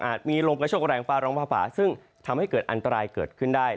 มีลมกระโชคแรงฟ้าร้องฟ้าผ่าซึ่งทำให้เกิดอันตรายเกิดขึ้นได้